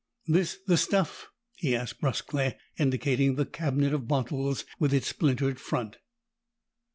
"This the stuff?" he asked, brusquely, indicating the cabinet of bottles, with its splintered front.